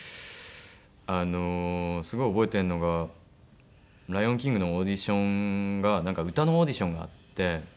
あのすごい覚えてるのが『ライオンキング』のオーディションが歌のオーディションがあって。